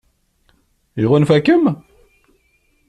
Iɣunfa-kem?